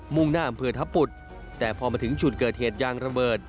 ่งหน้าอำเภอทัพปุฏแต่พอมาถึงจุดเกิดเหตุยางระเบิด